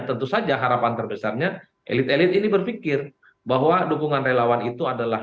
tentu saja harapan terbesarnya elit elit ini berpikir bahwa dukungan relawan itu adalah